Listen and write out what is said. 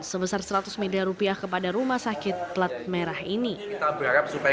sebesar seratus miliar rupiah kepada rumah sakit plat merah ini